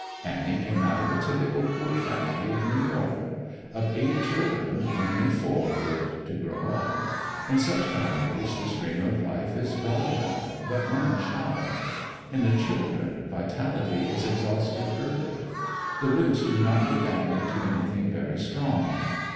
Annie came out of a typical poor family of New York. Of eight children, only four lived to grow up. In such families the stream of life is broad enough, but runs shallow. In the children, vitality is exhausted early. The roots do not go down into anything very strong.